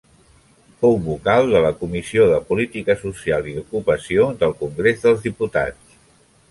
Fou vocal de la Comissió de Política Social i d'Ocupació del Congrés dels Diputats.